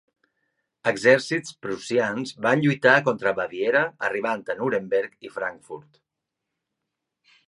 Exèrcits prussians van lluitar contra Baviera arribant a Nuremberg i Frankfurt.